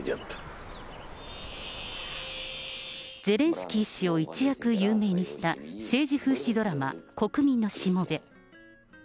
ゼレンスキー氏を一躍有名にした政治風刺ドラマ、国民のしもべ。